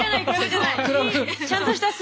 ちゃんとした数式！